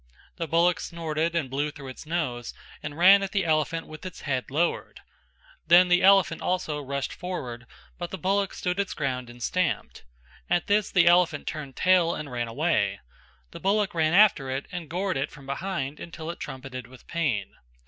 The bullock snorted and blew through its nose, and ran at the elephant with its head lowered. Then the elephant also rushed forward but the bullock stood its ground and stamped; at this the elephant turned tail and ran away; the bullock ran after it and gored it from behind until it trumpeted with pain.